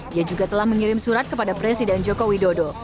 dia juga telah mengirim surat kepada presiden joko widodo